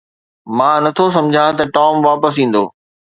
مان نه ٿو سمجهان ته ٽام واپس ايندو.